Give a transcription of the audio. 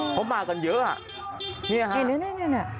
เขามากันเยอะอ่ะนี่ฮะนี่